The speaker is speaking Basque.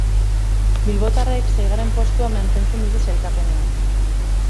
Bilbotarrek seigarren postua mantentzen dute sailkapenean.